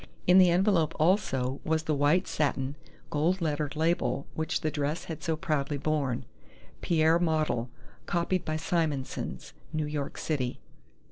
In the envelope also was the white satin, gold lettered label which the dress had so proudly borne: "Pierre Model. Copied by Simonson's. New York City."